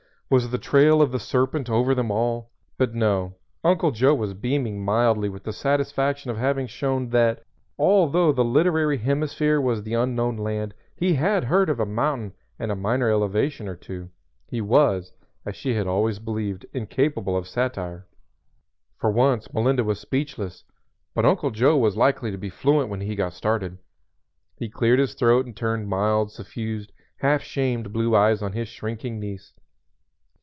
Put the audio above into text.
Was the trail of the serpent over them all? But no, Uncle Joe was beaming mildly with the satisfaction of having shown that although the literary hemisphere was the unknown land, he had heard of a mountain and a minor elevation or two; he was, as she had always believed, incapable of satire. For once Melinda was speechless. But Uncle Joe was likely to be fluent when he got started. He cleared his throat and turned mild, suffused, half shamed blue eyes on his shrinking niece.